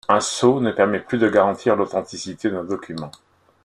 Un sceau ne permet plus de garantir l'authenticité d'un document.